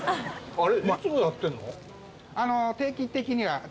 あれ。